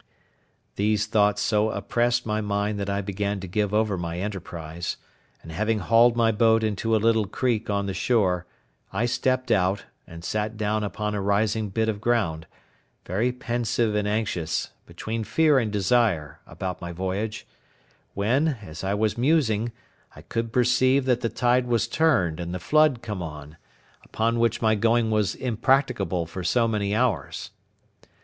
These thoughts so oppressed my mind that I began to give over my enterprise; and having hauled my boat into a little creek on the shore, I stepped out, and sat down upon a rising bit of ground, very pensive and anxious, between fear and desire, about my voyage; when, as I was musing, I could perceive that the tide was turned, and the flood come on; upon which my going was impracticable for so many hours.